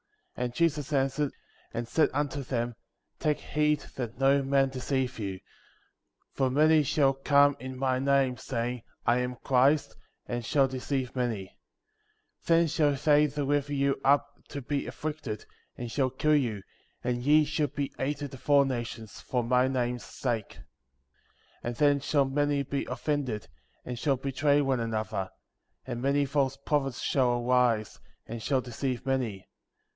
5. And Jesus answered, and said unto them : Take heed that no man deceive you ; 6. For many shall come in my name, saying — I am Christ — and shall deceive many; 7. Then shall they deliver you up to be afflicted, and shall kill you, and ye shall be hated of all nations, for my name's sake; 8. And then shall many be offended, and shall betray one another ; 9. And many false prophets shall arise, and shall deceive many; 10.